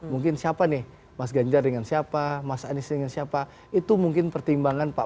mungkin siapa nih mas ganjar dengan siapa mas anies dengan siapa itu mungkin pertimbangan pak